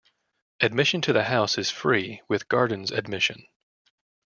Admission to the house is free with gardens admission.